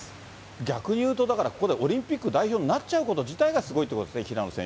逆にいうと、だから、オリンピック代表になっちゃうこと自体がすごいっていうことですね、平野選手。